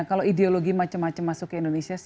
kalau ideologi macam macam masuk ke indonesia